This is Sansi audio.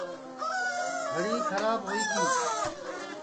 گھڑی کھراب ہوئی گی